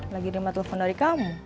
lagi terima telepon dari kamu